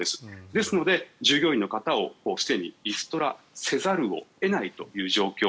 ですので、従業員の方をすでにリストラせざるを得ないという状況。